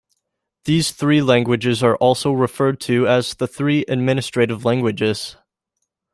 These three languages are also referred to as the three administrative languages.